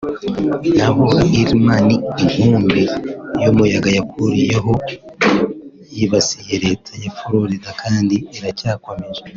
naho Irma ni inkubi y’umuyaga yakurikiyeho yibasiye Leta ya Florida kandi iracyakomeje